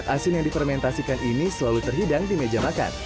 asin yang difermentasikan ini selalu terhidang di meja makan